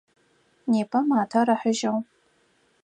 Непэ матэр ыхьыжьыгъ.